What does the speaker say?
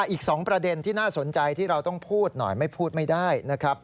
อีก๒ประเด็นที่น่าสนใจที่เราต้องพูดหน่อยไม่พูดไม่ได้นะครับ